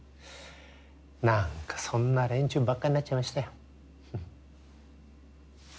何かそんな連中ばっかになっちゃいましたよ。